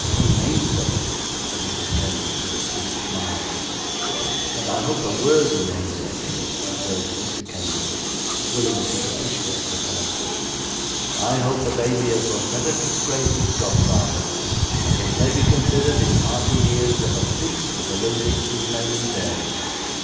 'Your namesake,' said Mrs. Kenwigs, with a sweet smile. 'And I hope a worthy namesake,' observed Mr. Kenwigs, willing to propitiate the collector. 'I hope a baby as will never disgrace his godfather, and as may be considered, in arter years, of a piece with the Lillyvicks whose name he bears.